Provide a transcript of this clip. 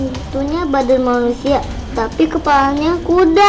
itunya badan manusia tapi kepalanya kuda